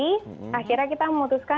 jadi akhirnya kita memutuskan